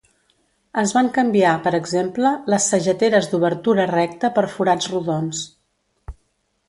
Es van canviar, per exemple, les sageteres d'obertura recta per forats rodons.